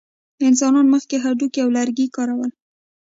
انسانانو مخکې هډوکي او لرګي کارول.